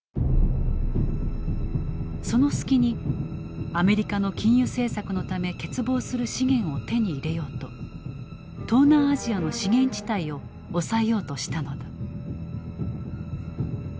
その隙にアメリカの禁輸政策のため欠乏する資源を手に入れようと東南アジアの資源地帯を押さえようとしたのだ。